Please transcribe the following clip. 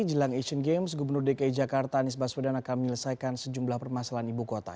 jelang asian games gubernur dki jakarta anies baswedan akan menyelesaikan sejumlah permasalahan ibu kota